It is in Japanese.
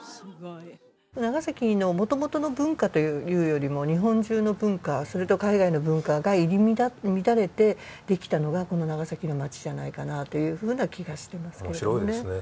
長崎の元々の文化というよりも日本中の文化それと海外の文化が入り乱れてできたのがこの長崎の町じゃないかなというふうな気がしてますけれどもね面白いですね